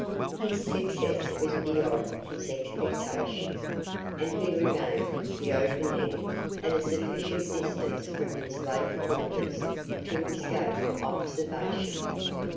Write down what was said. His success was beyond his expectation; and he regained the open air at a sufficient distance from his late quarters to escape observation.